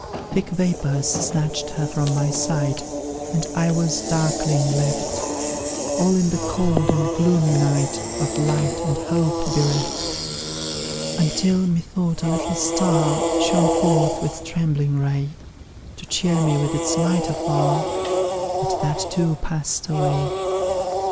Thick vapours snatched her from my sight, And I was darkling left, All in the cold and gloomy night, Of light and hope bereft: Until, methought, a little star Shone forth with trembling ray, To cheer me with its light afar But that, too, passed away.